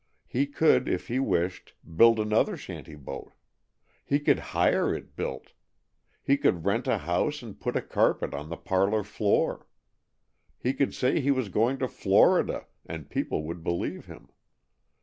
He could, if he wished, build another shanty boat. He could hire it built. He could rent a house and put a carpet on the parlor floor. He could say he was going to Florida and people would believe him.